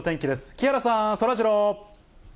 木原さん、そらジロー。